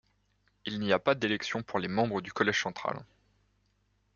Il n'y a pas d'élections pour les membres du Collège central.